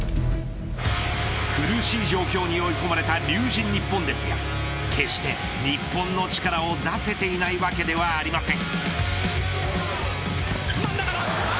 苦しい状況に追い込まれた龍神ＮＩＰＰＯＮですが決して日本の力を出せていないわけではありません。